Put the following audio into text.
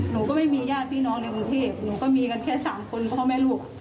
หนูก็ไม่มีญาติพี่น้องในกรุงเทพหนูก็มีกันแค่สามคนพ่อแม่ลูก